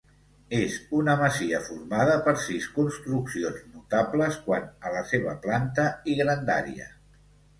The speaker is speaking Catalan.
És una masia formada per sis construccions notables quant a la seva planta i grandària.